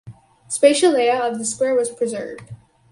Spatial layout of the square was preserved.